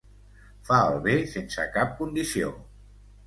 Fa el bé sense cap condició.